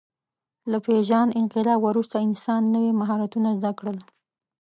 له پېژاند انقلاب وروسته انسان نوي مهارتونه زده کړل.